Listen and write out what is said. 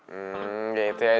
hmm gitu ya